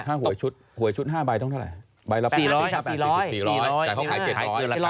ถ้าหวยชุดหวยชุด๕ใบต้องเท่าไหร่